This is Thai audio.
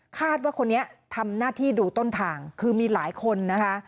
คาดว่าคนนี้ทำหน้าที่ดูต้นทางคือมีหลายคนนะคะ